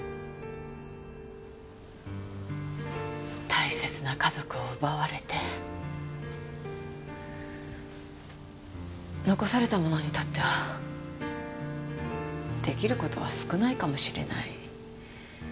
大切な家族を奪われて残された者にとっては出来る事は少ないかもしれない。